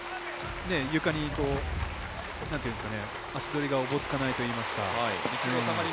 足取りがおぼつかないといいますか。